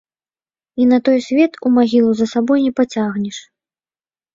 І на той свет у магілу за сабой не пацягнеш.